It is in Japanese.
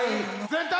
全体